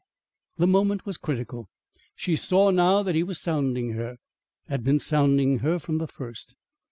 The moment was critical. She saw now that he was sounding her, had been sounding her from the first.